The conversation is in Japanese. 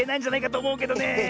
おもうけどねえ。